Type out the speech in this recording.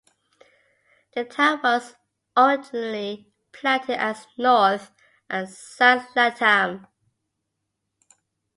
The town was originally platted as North and South Latham.